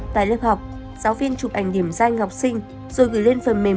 tại lớp học giáo viên chụp ảnh điểm danh học sinh rồi gửi lên phần mềm